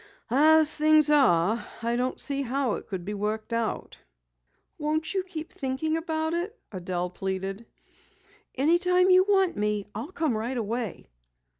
"As things are, I don't see how it could be worked out." "Won't you keep thinking about it?" Adelle pleaded. "Anytime you want me, I'll come right away."